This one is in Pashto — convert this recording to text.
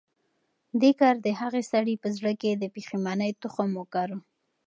دې کار د هغه سړي په زړه کې د پښېمانۍ تخم وکره.